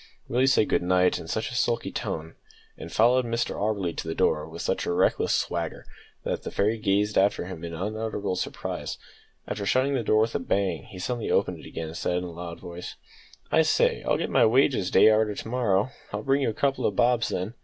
Willie said good night in such a sulky tone, and followed Mr Auberly to the door with such a reckless swagger, that the fairy gazed after him in unutterable surprise. After shutting the door with a bang, he suddenly opened it again, and said in a loud voice "I say, I'll get my wages day arter to morrow. I'll bring you a couple o' bobs then.